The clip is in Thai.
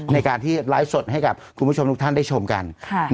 ในการที่ไลฟ์สดให้กับคุณผู้ชมทุกท่านได้ชมกัน